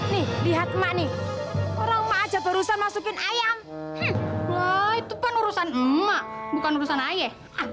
nih lihat emak nih orang emak ajak urusan masukin ayam itu kan urusan emak bukan urusan ayah ah